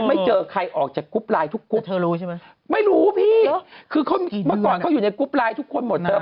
ไม่เจอใครออกจากกรุ๊ปไลน์ทุก